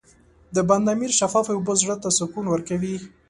د بند امیر شفافې اوبه زړه ته سکون ورکوي.